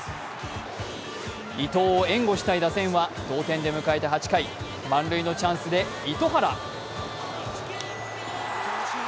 伊藤を援護したい打線は満塁で迎えた８回、満塁のチャンスで糸原。